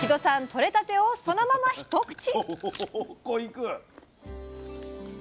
とれたてをそのまま一口！